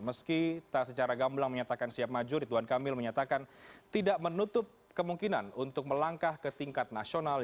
meski tak secara gamblang menyatakan siap maju ridwan kamil menyatakan tidak menutup kemungkinan untuk melangkah ke tingkat nasional